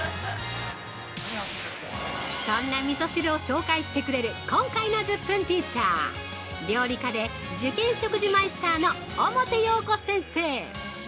そんなみそ汁を紹介してくれる今回の１０分ティーチャー料理家で受験食事マイスターの表洋子先生。